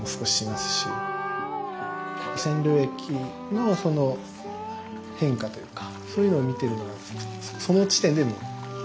染料液のその変化というかそういうのを見てるのがその地点でもう楽しいかなっていう。